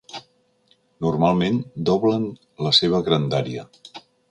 Normalment doblen la seva grandària.